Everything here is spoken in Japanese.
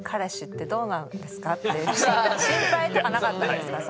心配とかなかったですか